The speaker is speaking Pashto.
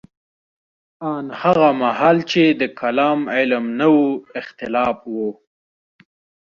ان هغه مهال چې د کلام علم نه و اختلاف وو.